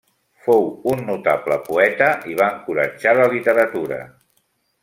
Fou un notable poeta i va encoratjar la literatura.